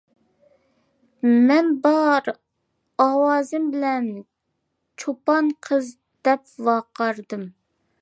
مەن بار ئاۋازىم بىلەن «چوپان قىز. » دەپ ۋارقىرىدىم.